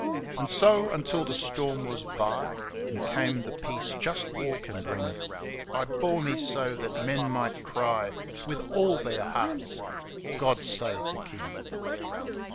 And so, until the storm was by. And came the peace jnst war can bring, I bore me so that men might ciy With aU their hearts, <Ood Save the King.'